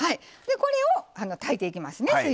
これを炊いていきますね。